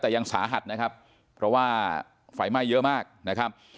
แต่ยังสาหัสนะครับเพราะว่าไฟไหม้เยอะมากนะครับ